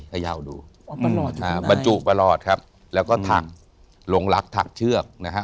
พยาวดูตลอดครับบรรจุประหลอดครับแล้วก็ถักหลงรักถักเชือกนะฮะ